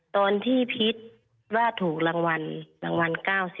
ตอนที่พีชว่าถูกรางวัล๙๐ล้าน